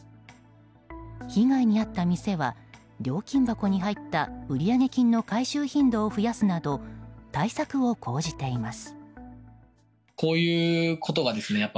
被害に遭った店は料金箱に入った売上金の回収頻度を増やすなど対策を講じています。